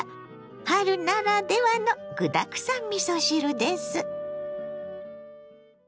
春ならではの具だくさんみそ汁です。